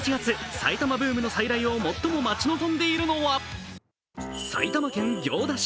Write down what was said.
埼玉ブームの再来を最も待ち望んでいるのは埼玉県行田市。